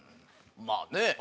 まあね。